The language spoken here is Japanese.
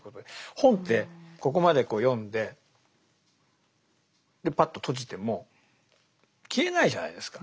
本ってここまで読んでパッと閉じても消えないじゃないですか。